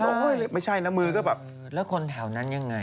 ไม่ใช่นะมือก็แบบแล้วคนแถวนั้นยังไง